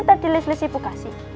ntar di les les ibu kasih